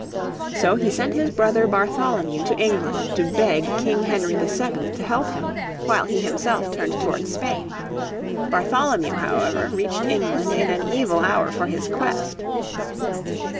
So he sent his brother Bartholomew to England to beg King Henry VII to help him, while he himself turned towards Spain. Bartholomew, however, reached England in an evil hour for his quest.